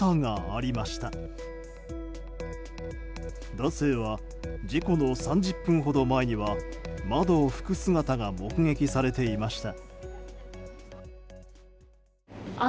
男性は事故の３０分ほど前には窓を拭く姿が目撃されていました。